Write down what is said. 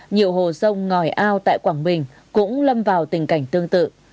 nhiều hồ sông ngòi ao tại quảng bình cũng lâm vào tình cảnh tương tự